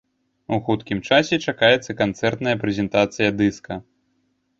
У хуткім часе чакаецца канцэртная прэзентацыя дыска.